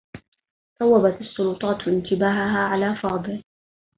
صوّبت السّلطات انتباهها على فاضل.